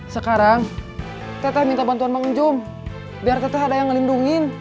sekarang teteh minta bantuan pengunjung biar teteh ada yang melindungi